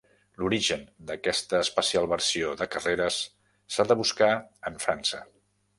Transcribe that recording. L'origen d'aquesta especial versió de carreres s'ha de buscar en França.